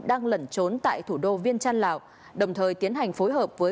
đang lẩn trốn tại thủ đô viên trăn lào đồng thời tiến hành phối hợp với